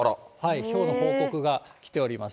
ひょうの報告が来ております。